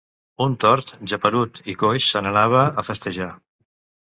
Un tort, geperut i coix, se n’anava a festejar.